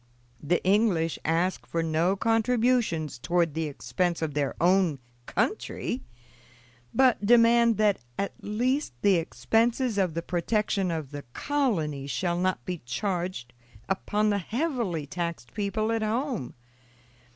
The English ask for no contributions toward the expense of their own country, but demand that, at least, the expenses of the protection of the colony shall not be charged upon the heavily taxed people at home.